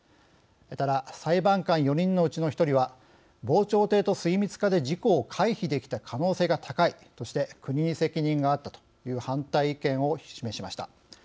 ただ裁判官４人のうちの１人は防潮堤と水密化で事故を回避できた可能性が高いとして国に責任があったという反対意見を示しました。